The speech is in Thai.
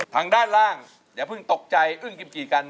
ทางด้านล่างอย่าเพิ่งตกใจอึ้งกิมจีกัน